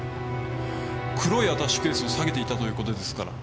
黒いアタッシェケースを提げていたという事ですから。